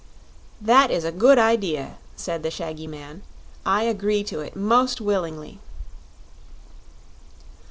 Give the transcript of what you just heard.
"That is a good idea," said the shaggy man; "I agree to it most willingly."